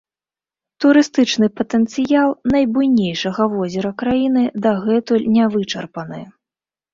Турыстычны патэнцыял найбуйнейшага возера краіны дагэтуль не вычарпаны.